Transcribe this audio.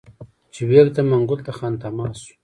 چي یې وکتل منګول ته خامتما سو